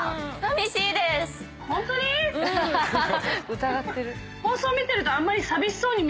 疑ってる。